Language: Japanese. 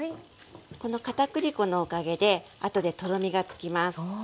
この片栗粉のおかげであとでとろみがつきます。